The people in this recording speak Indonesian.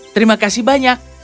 terima kasih banyak